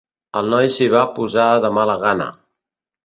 El noi s'hi va posar de mala gana.